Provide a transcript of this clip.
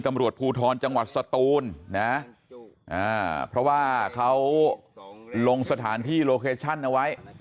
ตำรวจภูทรจังหวัดสตูนนะเพราะว่าเขาลงสถานที่โลเคชั่นเอาไว้